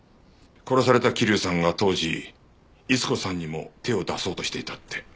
殺された桐生さんが当時逸子さんにも手を出そうとしていたって。